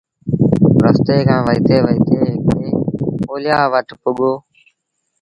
رستي کآݩ وهيٚتي وهيٚتي هڪڙي اوليآ وٽ پُڳو